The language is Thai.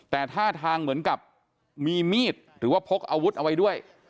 แต่ท่าทางเหมือนกับมีมีดหรือว่าพกอาวุธเอาไว้ด้วย